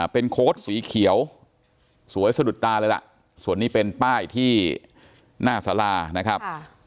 เป็นโค้ดสีเขียวสวยสะดุดตาเลยล่ะส่วนนี้เป็นป้ายที่หน้าสารานะครับ